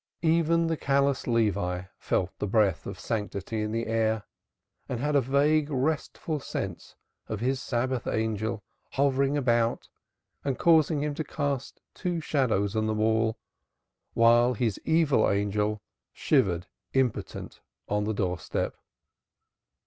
Even the callous Levi felt the breath of sanctity in the air and had a vague restful sense of his Sabbath Angel hovering about and causing him to cast two shadows on the wall while his Evil Angel shivered impotent on the door step.